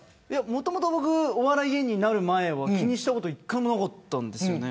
もともとお笑い芸人になる前は気にしたこと１回もなかったです。